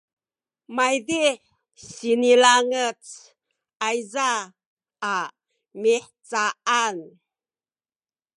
maydih sinilangec ayza a mihcaan